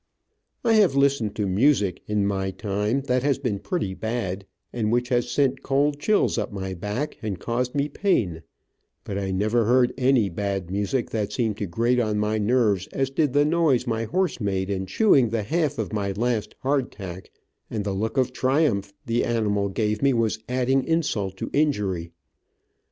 I have listened to music, in my time, that has been pretty bad, and which has sent cold chills up my back, and caused me pain, but I never heard any bad music that seemed to grate on my nerves as did the noise my horse made in chewing the half of my last hard tack, and the look of triumph the animal gave me was adding insult to injury.